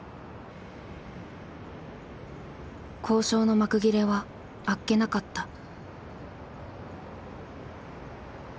交渉の幕切れはあっけなかった。